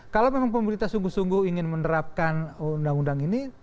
kalau memang pemerintah sungguh sungguh ingin menerapkan undang undang ini